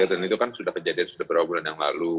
dan itu kan sudah kejadian sudah berapa bulan yang lalu